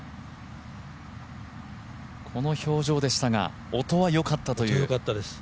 この表情でしたが音はよかったという。